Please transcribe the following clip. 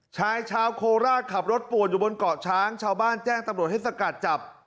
ชายชาวโคราชขับรถป่วนอยู่บนเกาะช้างชาวบ้านแจ้งตำรวจให้สกัดจับ